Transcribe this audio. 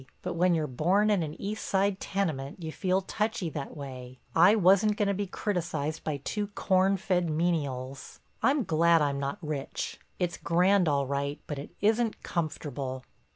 But when you're born in an east side tenement you feel touchy that way—I wasn't going to be criticized by two corn fed menials. I'm glad I'm not rich; it's grand all right, but it isn't comfortable.